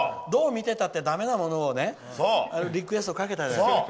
どう見てたってだめなものをリクエストかけたじゃないですか。